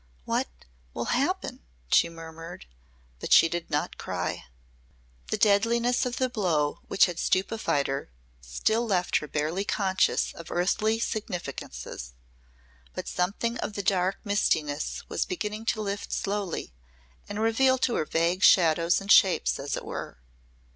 "What will happen?" she murmured. But she did not cry. The deadliness of the blow which had stupefied her still left her barely conscious of earthly significances. But something of the dark mistiness was beginning to lift slowly and reveal to her vague shadows and shapes, as it were.